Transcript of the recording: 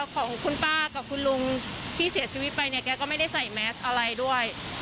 ของคุณป้ากับคุณลุงที่เสียชีวิตไปเนี่ยแกก็ไม่ได้ใส่แมสอะไรด้วย